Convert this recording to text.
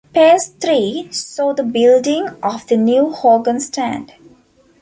Phase Three saw the building of the new Hogan Stand.